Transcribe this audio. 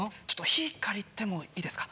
火借りてもいいですか？